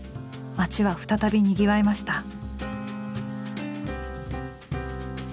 街は再びにぎわいました。